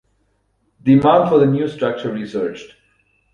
Demand for the new structure resurged.